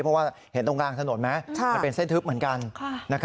เพราะว่าเห็นตรงกลางถนนไหมมันเป็นเส้นทึบเหมือนกัน